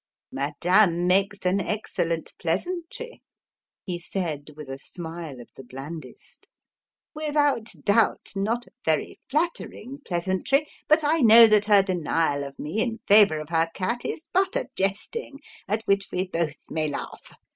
"Madame makes an excellent pleasantry," he said with a smile of the blandest. "Without doubt, not a very flattering pleasantry but I know that her denial of me in favour of her cat is but a jesting at which we both may laugh.